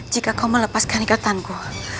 jika kau melepaskan ikatanku